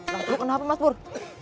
nah lu kenapa mas bur